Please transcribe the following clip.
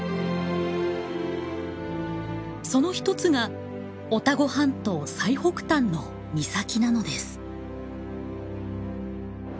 その一つがオタゴ半島最北端の岬なのです。